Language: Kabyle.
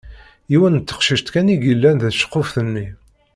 Yiwet n teqcict kan i yellan deg tceqquft-nni.